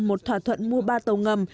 một thỏa thuận mua ba tàu ngầm